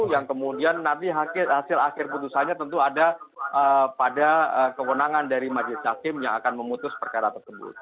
yang kemudian nanti hasil akhir putusannya tentu ada pada kewenangan dari majelis hakim yang akan memutus perkara tersebut